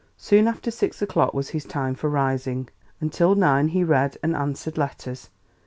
Soon after six o'clock was his time for rising. Until nine he read and answered letters.